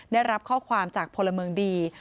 ได้รับข้อความจากพลเมืองดี